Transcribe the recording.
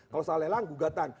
kalau salah lelang gugatan